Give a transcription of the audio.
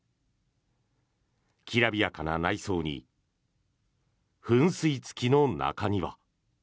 きらびやかな内装に噴水付きの中庭。